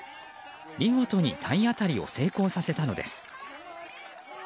見事に体当たりを成功させたのです。